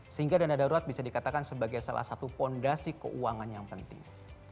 sehingga dana darurat bisa dikatakan sebagai salah satu fondasi keuangan yang penting